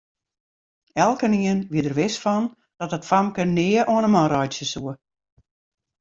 Elkenien wie der wis fan dat dat famke nea oan 'e man reitsje soe.